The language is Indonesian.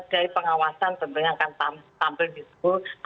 memang dari pengawasan tentunya akan tampil di sekolah